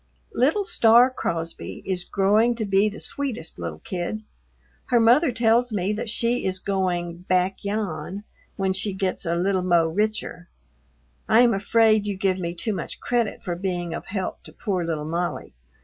Little Star Crosby is growing to be the sweetest little kid. Her mother tells me that she is going "back yan" when she gets a "little mo' richer." I am afraid you give me too much credit for being of help to poor little Molly.